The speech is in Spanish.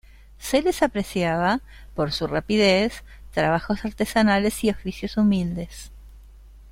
Se les apreciaba por su rapidez, trabajos artesanales y oficios humildes.